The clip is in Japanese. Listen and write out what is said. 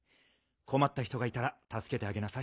こまった人がいたらたすけてあげなさい。